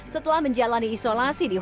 setelah menjalani isolasi di rumah